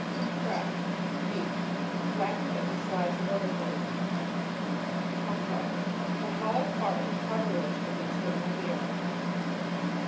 Compressed (beak.) — Flattened at the sides vertically. Concha. — The ho low part of the car tilage of the external ear.